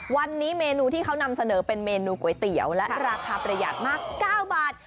วันนี้เมนูที่เขานำเสนอเป็นเมนูก๋วยเตี๋ยวและราคาประหยัดมาก๙บาท